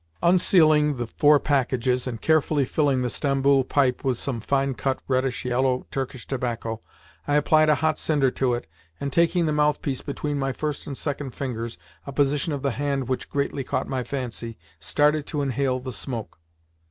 Unsealing the four packages, and carefully filling the Stamboul pipe with some fine cut, reddish yellow Turkish tobacco, I applied a hot cinder to it, and, taking the mouthpiece between my first and second fingers (a position of the hand which greatly caught my fancy), started to inhale the smoke.